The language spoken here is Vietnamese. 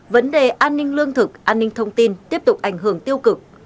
vấn đề an ninh lương thực an ninh thông tin tiếp tục ảnh hưởng tiêu cực